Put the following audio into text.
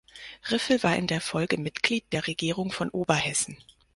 Riffel war in der Folge Mitglied der Regierung von Oberhessen.